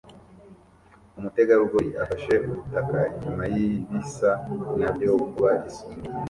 Umutegarugori afashe umutaka inyuma yibisa nabyo kuba isumo